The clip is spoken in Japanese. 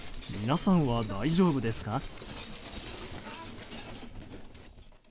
皆さんは大丈夫ですか？